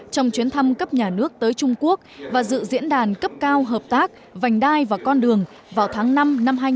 trong chuyến thăm cấp nhà nước tới trung quốc và dự diễn đàn cấp cao hợp tác vành đai và con đường vào tháng năm năm hai nghìn hai mươi